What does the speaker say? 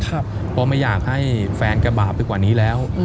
เพราะไม่อยากให้แฟนแกบาปไปกว่านี้แล้ว